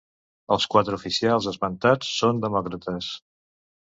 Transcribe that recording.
Els quatre oficials esmentats són demòcrates.